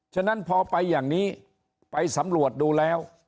ฉะนั้นพอไปอย่างนี้ไปสำรวจดูแล้ว